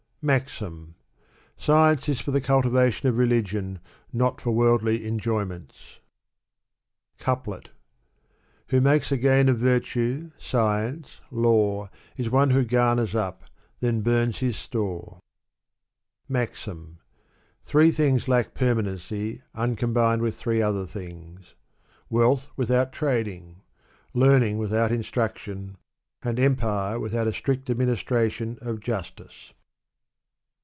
MAXIM. Science is for the cultivation of religion, not for worldly enjoyments. Couple/. Who makes a gain of virtue, science, lore, Is one who gamers up, then bums his store. Three things lack permanency, uncombined with three other things : wealth without trading ; learning without instmction ; and empire without a strict ad ministration of justice.